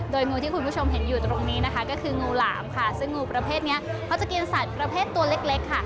โดยงูที่คุณผู้ชมเห็นอยู่ตรงนี้นะคะก็คืองูหลามค่ะซึ่งงูประเภทนี้เขาจะกินสัตว์ประเภทตัวเล็กค่ะ